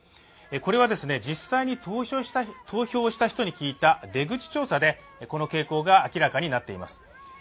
これは実際に投票をした人に聞いた出口調査でこの傾向が明らかになっています。